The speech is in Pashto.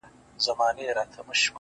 o چي لمن د شپې خورېږي ورځ تېرېږي،